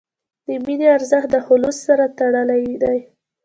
د مینې ارزښت د خلوص سره تړلی دی.